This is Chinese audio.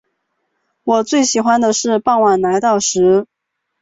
后累升至礼科都给事中。